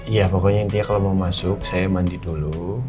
iya pokoknya intinya kalau mau masuk saya mandi dulu